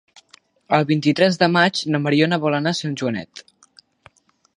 El vint-i-tres de maig na Mariona vol anar a Sant Joanet.